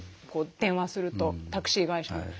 電話するとタクシー会社に。